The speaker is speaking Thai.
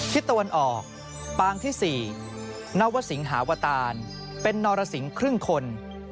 ทิศตะวันออกปางที่๔นวสิงหาวตานเป็นนรสิงครึ่งคน